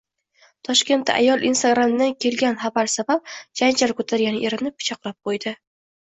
Toshkentda ayol Instagram’dan kelgan xabar sabab janjal ko‘targan erini pichoqlab qo‘ydi